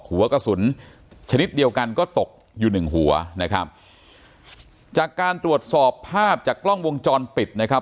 หัวกระสุนชนิดเดียวกันก็ตกอยู่หนึ่งหัวนะครับจากการตรวจสอบภาพจากกล้องวงจรปิดนะครับ